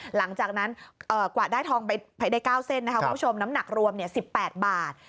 หลังจากนั้นเอ่อกวาดได้ทองไปไปได้เก้าเส้นนะครับคุณผู้ชมน้ำหนักรวมเนี่ยสิบแปดบาท